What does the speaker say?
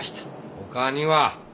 ほかには？